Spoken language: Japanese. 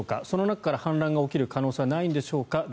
その中から反乱が起きる可能性はないんでしょうか。